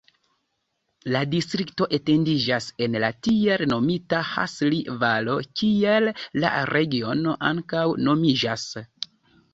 La distrikto etendiĝas en la tiel nomita Hasli-Valo, kiel la regiono ankaŭ nomiĝas.